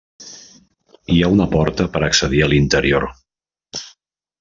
Hi ha una porta per accedir a l'interior.